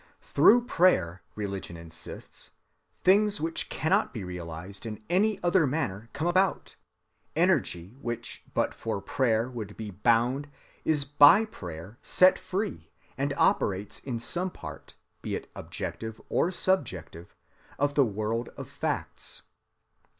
Through prayer, religion insists, things which cannot be realized in any other manner come about: energy which but for prayer would be bound is by prayer set free and operates in some part, be it objective or subjective, of the world of facts.